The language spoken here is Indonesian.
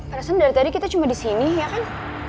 alasan dari tadi kita cuma disini ya kan